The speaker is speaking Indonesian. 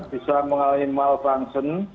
bisa mengalami malfunction